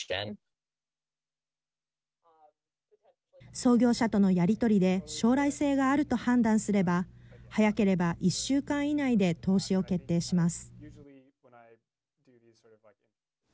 創業者とのやり取りで将来性があると判断すれば早ければ１週間以内で投資を決定します。